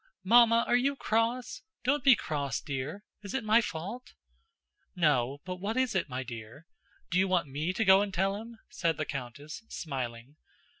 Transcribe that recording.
"Mamma, are you cross? Don't be cross, dear! Is it my fault?" "No, but what is it, my dear? Do you want me to go and tell him?" said the countess smiling.